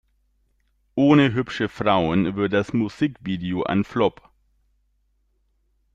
Ohne hübsche Frauen wird das Musikvideo ein Flop.